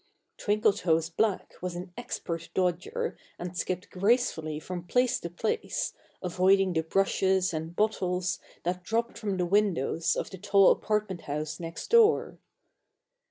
Twinkletoes Black was an expert dodger and skipped gracefully from place to place, avoiding the brushes and bottles that dropped from the windows of the tall apartment house next door.